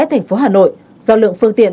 thành phố hà nội do lượng phương tiện